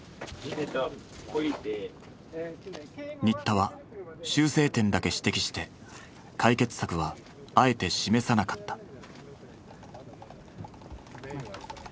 新田は修正点だけ指摘して解決策はあえて示さなかった。